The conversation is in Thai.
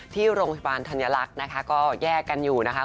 ที่โรงพยาบาลธัญลักษณ์นะคะก็แยกกันอยู่นะคะ